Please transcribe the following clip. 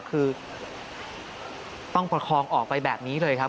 คือต้องประคองออกไปแบบนี้เลยครับ